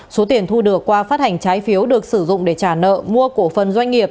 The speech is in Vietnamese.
số tiền thu được qua phát hành trái phiếu được sử dụng để trả nợ mua cổ phần doanh nghiệp